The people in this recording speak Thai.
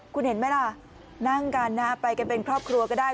คุณเห็นไหมล่ะนั่งกันนะไปกันเป็นครอบครัวก็ได้